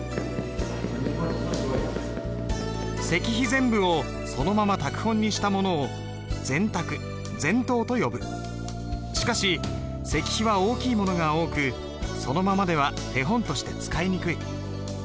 全部をそのまま拓本にしたものをしかし石碑は大きいものが多くそのままでは手本として使いにくい。